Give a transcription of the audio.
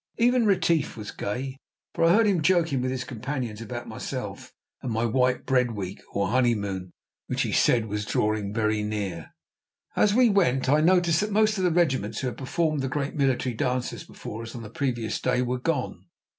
Even Retief was gay, for I heard him joking with his companions about myself and my "white bread week," or honeymoon, which, he said, was drawing very near. As we went, I noticed that most of the regiments who had performed the great military dances before us on the previous day were gone.